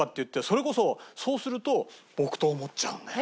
それこそそうすると木刀持っちゃうんだよ。